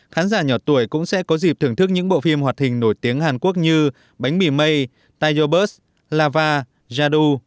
khán giả nhỏ tuổi cũng sẽ có dịp thưởng thức những bộ phim hoạt hình nổi tiếng hàn quốc như bánh mì mây tarobus lava jadou